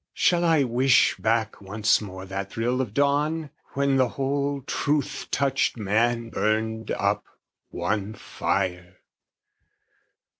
Shall I wish back once more that thrill of dawn? When the whole truth touched man burned up, one fire?